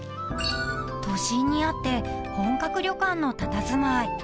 ［都心にあって本格旅館のたたずまい］